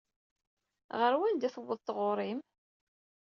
Ɣer wanda i tewweḍ taɣuṛi-m?